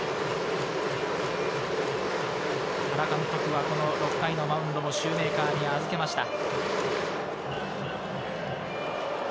原監督はこの６回のマウンドもシューメーカーに預けました。